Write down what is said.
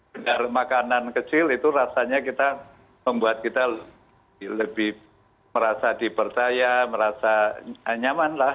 daripada makanan kecil itu rasanya kita membuat kita lebih merasa dipercaya merasa nyamanlah